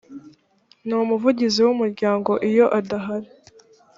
n umuvugizi w umuryango iyo adahari